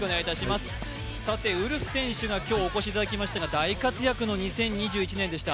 ウルフ選手が今日お越しいただきましたが、大活躍の２０２１年でした。